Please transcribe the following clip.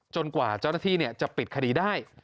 จนกว่าเจ้าหน้าที่เนี่ยจะปิดคดีได้